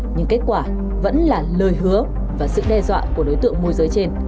nhưng kết quả vẫn là lời hứa và sự đe dọa của đối tượng môi giới trên